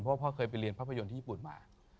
เพราะว่าพ่อเคยไปเรียนภาพยนตร์ได้